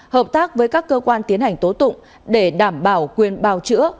hợp tác với các cơ quan tiến hành tố tụng để đảm bảo quyền bào chữa